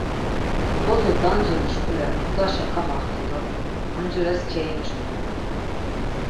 Bozo danciruşkule odaşa kamaxtu do oncires keinciru.